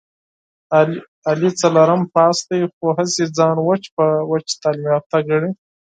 علي څلورم پاس دی، خو هسې ځان وچ په وچه تعلیم یافته ګڼي...